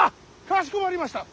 かしこまりました。